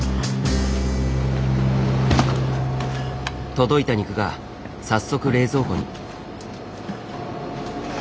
届いた肉が早速冷蔵庫に。